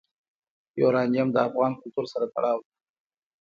یورانیم د افغان کلتور سره تړاو لري.